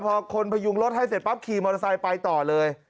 พอคนพยุงรถให้เสร็จป๊ะขี่โมทอเรียนไปต่อเลย